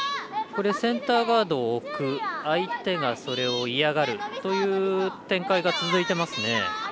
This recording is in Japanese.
センターガードを置く相手がそれを嫌がるという展開が続いていますね。